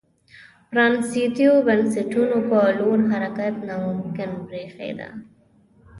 پرانیستو بنسټونو په لور حرکت ناممکن برېښېده.